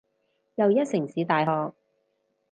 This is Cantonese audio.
又一城市大學